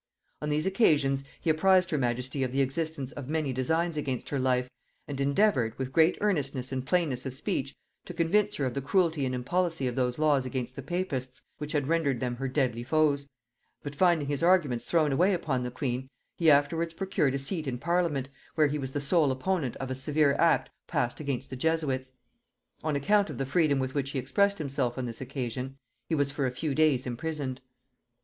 On these occasions he apprized her majesty of the existence of many designs against her life, and endeavoured, with great earnestness and plainness of speech, to convince her of the cruelty and impolicy of those laws against the papists which had rendered them her deadly foes: but finding his arguments thrown away upon the queen, he afterwards procured a seat in parliament, where he was the sole opponent of a severe act passed against the Jesuits. On account of the freedom with which he expressed himself on this occasion, he was for a few days imprisoned.